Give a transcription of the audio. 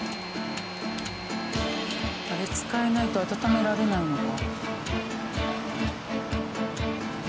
あれ使えないと温められないのか。